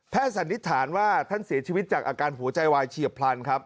สันนิษฐานว่าท่านเสียชีวิตจากอาการหัวใจวายเฉียบพลันครับ